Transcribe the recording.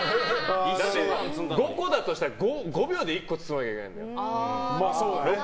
５個だとしたら５秒で１個包まないといけないんだよ。